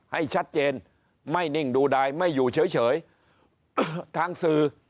ให้ชัดเจนไม่นิ่งดูดายไม่อยู่เฉยทางสื่อ